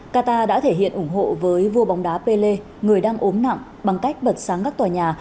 qatar đã thể hiện ủng hộ với vua bóng đá pelle người đang ốm nặng bằng cách bật sáng các tòa nhà